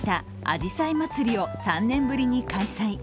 あじさいまつりを３年ぶりに開催。